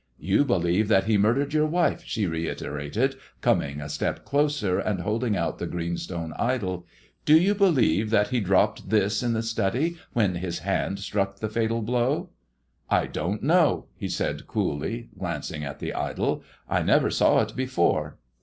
" You believe that he murdered your wife," she reiterated, coming a step nearer and holding out the green stone idol —do you believe that he dropped this in the study when his hand struck the fatal blow 1 "I don't know !" he said, coolly glancing at the idol ;" I never saw it before."